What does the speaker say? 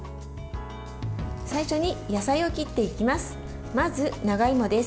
最初に野菜を切っていきます。